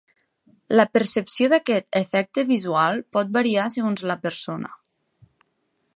La percepció d'aquest efecte visual pot variar segons la persona.